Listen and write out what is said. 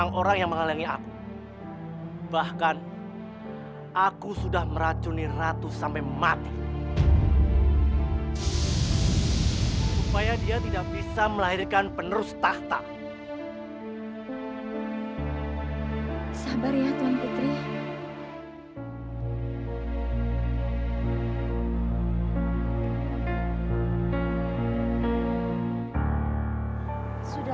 bagaimana mungkin ayah menyuruh aku menikah dengan pati jahat itu